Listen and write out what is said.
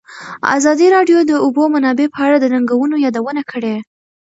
ازادي راډیو د د اوبو منابع په اړه د ننګونو یادونه کړې.